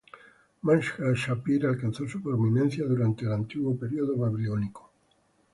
Mashkan-shapir alcanzó su prominencia durante el antiguo período babilónico.